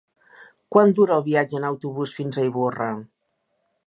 Quant dura el viatge en autobús fins a Ivorra?